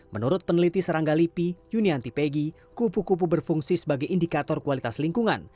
menurut peneliti serangga lipi junianti pegi kupu kupu berfungsi sebagai indikator kualitas lingkungan